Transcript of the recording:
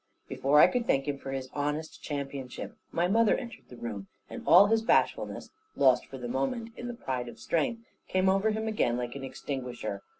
Before I could thank him for his honest championship my mother entered the room, and all his bashfulness (lost for the moment in the pride of strength) came over him again like an extinguisher.